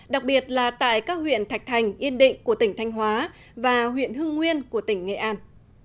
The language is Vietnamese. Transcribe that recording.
đặc biệt là tại các huyện thạch thành yên định của tỉnh thanh hóa và huyện hưng nguyên của tỉnh nghệ an